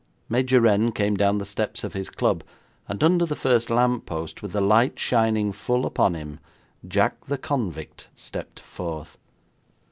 Major Renn came down the steps of his club, and under the first lamp post, with the light shining full upon him, Jack the convict stepped forth.